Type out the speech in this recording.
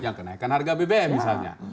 yang kenaikan harga bbm misalnya